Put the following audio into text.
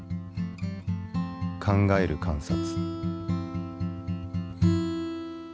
「考える観察」。